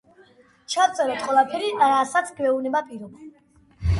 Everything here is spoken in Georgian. ჩავწეროთ ყველაფერი რასაც გვეუბნება პირობა.